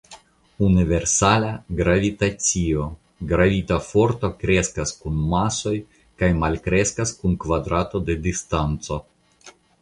Universala Gravitacio: Gravita forto kreskas kun masoj kaj malkreskas kun kvadrato de distanco.